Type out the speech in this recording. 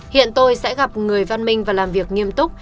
hiện tôi sẽ gặp người văn minh và làm việc nghiêm túc